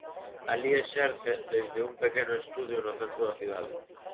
Alí exerce desde un pequeno estudio no centro da cidade.